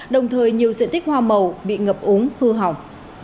đồng thời nhiều diện tích hoa màu bị ngập úng hư hỏng